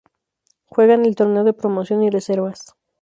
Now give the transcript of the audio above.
Juegan el Torneo de Promoción y Reservas.